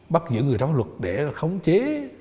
bắt giữ người trong luật để khống chế